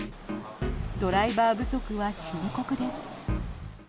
ドライバー不足は深刻です。